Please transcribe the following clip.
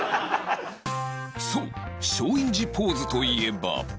そう松陰寺ポーズといえば